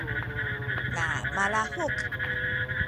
na malahuk